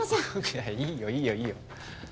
いやいいよいいよいいよ